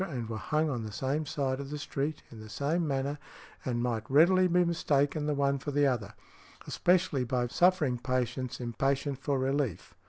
and were hung on the same side of the street, in the same manner, and might readily be mistaken the one for the other, especially by suffering patients impatient for relief.